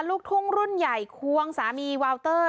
ลูกทุ่งรุ่นใหญ่ควงสามีวาวเตอร์